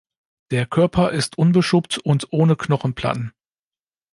Der Körper ist unbeschuppt und ohne Knochenplatten.